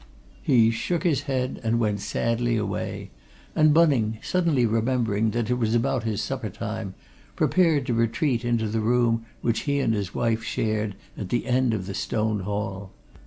He shook his head and went sadly away, and Bunning, suddenly remembering that it was about his supper time, prepared to retreat into the room which he and his wife shared, at the end of the stone hall.